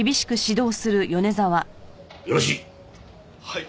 よろしい。